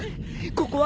ここは？